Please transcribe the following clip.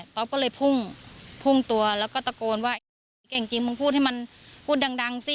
ก็เลยพุ่งพุ่งตัวแล้วก็ตะโกนว่าเสียงเก่งจริงมึงพูดให้มันพูดดังสิ